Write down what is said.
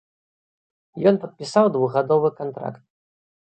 Ён падпісаў двухгадовы кантракт.